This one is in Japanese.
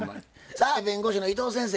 さあ弁護士の伊藤先生